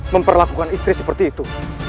memperlakukan istri seperti itu